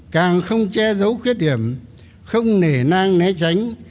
càng không che giấu khuyết điểm không nể nang né tránh